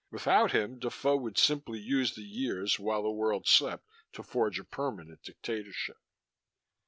Without him, Defoe would simply use the years while the world slept to forge a permanent dictatorship.